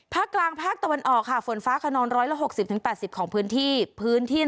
ภาคกลางภาคตะวันออกค่ะฝนฟ้าขนร้อยละหกสิบถึงแปดสิบของพื้นที่